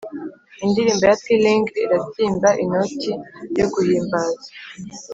indirimbo ya pealing irabyimba inoti yo guhimbaza.